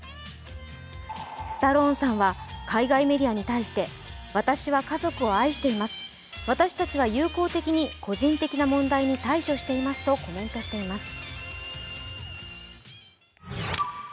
スタローンさんは海外メディアに対して、私は家族を愛しています、私たちは友好的に個人的な問題に対処していますとコメントしています。